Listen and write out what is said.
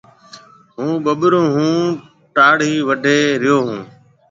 هُون ٻُٻڙون هون ٽاݪِي واڍهيَ ريو هون۔